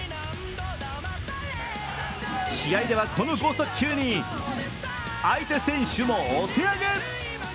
試合ではこの剛速球に相手選手もお手上げ。